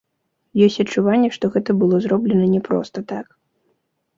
Ёсць адчуванне, што гэта было зроблена не проста так.